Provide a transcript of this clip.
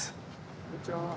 こんにちは。